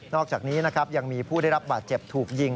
อกจากนี้นะครับยังมีผู้ได้รับบาดเจ็บถูกยิง